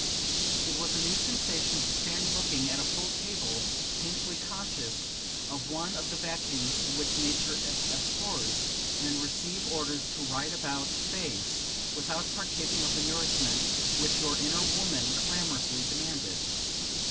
It was a new sensation to stand looking at a full table, painfully conscious of one of the vacuums which Nature abhors, and receive orders to right about face, without partaking of the nourishment which your inner woman clamorously demanded.